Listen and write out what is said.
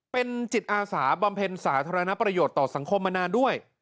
เป็นจิตอาสาบำเพ็ญสาธารณประโยชน์ต่อสังคมมานานด้วย